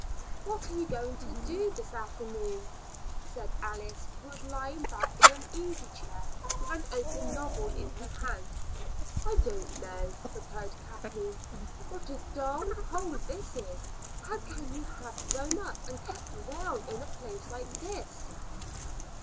"What are you going to do this afternoon?" said Alice, who was lying back in an easy chair with an open novel in her hand. "I don't know," replied Kathleen. "What a dull hole this is! How can you have grown up and kept well in a place like this?"